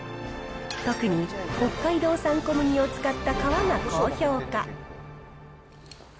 特に北海道産小麦を使った皮が高評価。